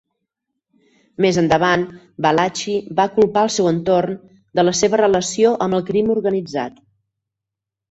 Més endavant, Valachi va culpar el seu entorn de la seva relació amb el crim organitzat.